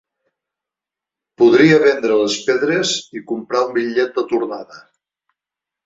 Podria vendre les pedres i comprar un bitllet de tornada.